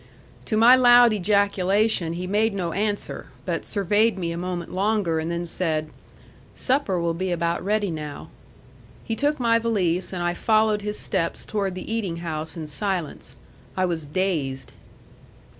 To my loud ejaculation he made no answer, but surveyed me a moment longer, and then said, "Supper will be about ready now." He took my valise, and I followed his steps toward the eating house in silence. I was dazed.